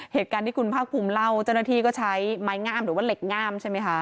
เหตุการณ์ที่คุณภาคภูมิเล่าเจ้าหน้าที่ก็ใช้ไม้งามหรือว่าเหล็กง่ามใช่ไหมคะ